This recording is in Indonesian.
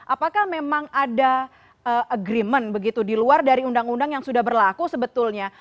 apakah memang ada agreement begitu di luar dari undang undang yang sudah berlaku sebetulnya